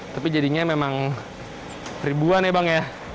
tapi jadinya memang ribuan ya bang ya